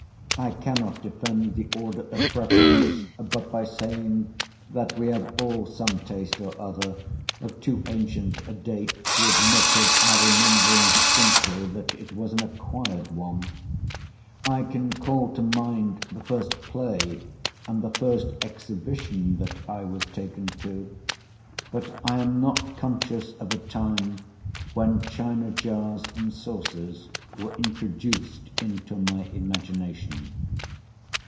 I cannot defend the order of preference, but by saying, that we have all some taste or other, of too ancient a date to admit of our remembering distinctly that it was an acquired one. I can call to mind the first play, and the first exhibition, that I was taken to; but I am not conscious of a time when china jars and saucers were introduced into my imagination.